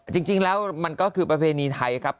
จริงแล้วมันก็คือประเพณีไทยครับ